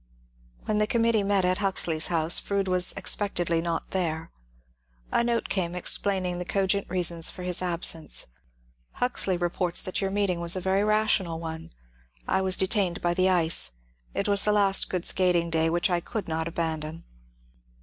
When the committee met at Huxley's house, Fronde was expectedly not there. A note came explaining the cogent reasons for his absence :^^ Huxley reports that your meeting was a very rational one. I was detained by the ice. It was the last good skating day, which I could not abandon."